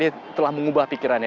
dia telah mengubah pikirannya